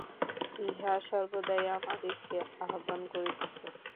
ইহা সর্বদাই আমাদিগকে আহ্বান করিতেছে।